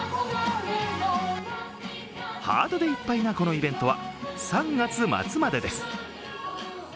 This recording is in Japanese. ハートでいっぱいなこのイベントは３月末までです。